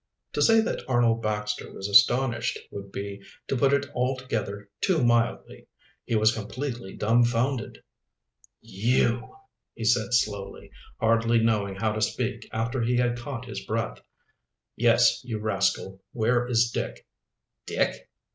To say that Arnold Baxter was astonished would be to put it altogether too mildly. He was completely dumfounded. "You!" he said slowly, hardly knowing how to speak after he had caught his breath. "Yes, you rascal. Where is Dick." "Dick?"